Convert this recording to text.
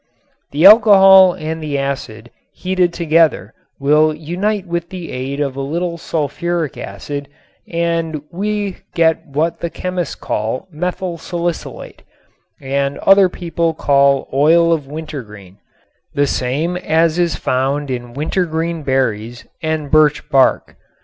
The alcohol and the acid heated together will unite with the aid of a little sulfuric acid and we get what the chemist calls methyl salicylate and other people call oil of wintergreen, the same as is found in wintergreen berries and birch bark.